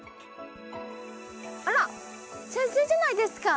あら先生じゃないですか？